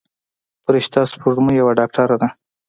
فرشته سپوږمۍ یوه ډاکتره ده.